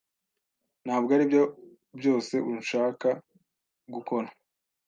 ntabwo aribyo byose unshaka gukora